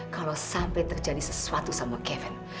kalau sampai terjadi sesuatu sama kevin